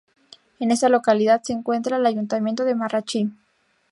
En esta localidad se encuentra el ayuntamiento de Marrachí.